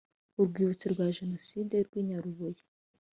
u Rwibutso rwa Jenoside rw i Nyarubuye